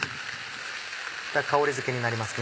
香りづけになりますね。